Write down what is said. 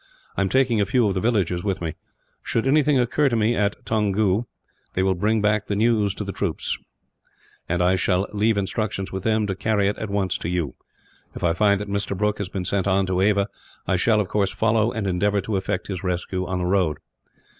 I am taking a few of the villagers with me. Should anything occur to me, at Toungoo, they will bring back the news to the troopers; and I shall leave instructions with them to carry it, at once, to you. If I find that Mr. Brooke has been sent on to Ava I shall, of course, follow and endeavour to effect his rescue on the road.